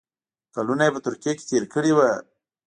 کلونه یې په ترکیه کې تېر کړي وو.